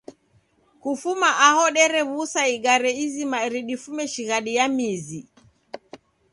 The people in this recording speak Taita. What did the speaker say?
Kufuma aho derew'usa igare izima eri difume shighadi ya mizi.